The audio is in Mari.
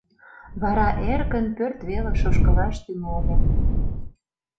Вара эркын пӧрт велыш ошкылаш тӱҥале.